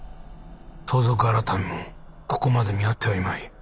盗賊改もここまで見張ってはいまい。